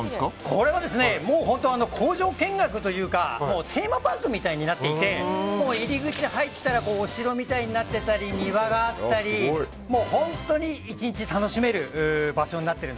これは工場見学というかテーマパークみたいになっていて入り口に入ったらお城みたいになってたり庭があったり本当に１日楽しめる場所です。